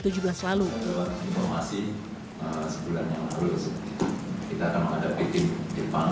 lalu informasi sebulan yang lalu kita akan menghadapi tim jepang